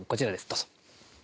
どうぞ。